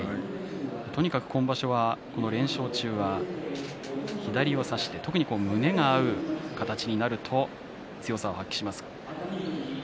とにかく今場所は連勝中は左を差して特に胸が合う形になると強さを発揮します。